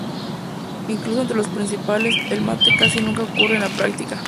Incluso entre los principiantes, el mate casi nunca ocurre en la práctica.